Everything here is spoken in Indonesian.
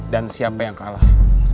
dan siapa yang kalah